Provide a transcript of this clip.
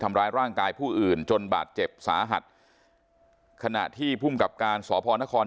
ทำร้ายร่างกายผู้อื่นจนบาดเจ็บสาหัสขณะที่ภูมิกับการสพนคร